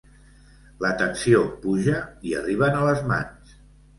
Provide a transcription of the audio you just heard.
La tensió puja i arriben a les mans.